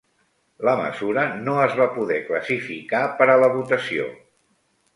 La mesura no es va poder classificar per a la votació.